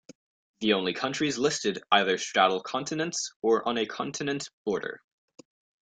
The only countries listed either straddle continents or are on a continent border.